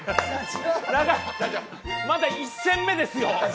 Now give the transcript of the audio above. まだ１戦目ですよ？